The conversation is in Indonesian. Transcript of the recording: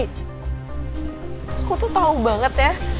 aku tuh tau banget ya